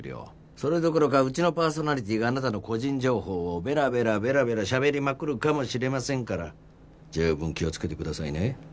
それどころかうちのパーソナリティーがあなたの個人情報をベラベラベラベラ喋りまくるかもしれませんから十分気をつけてくださいね。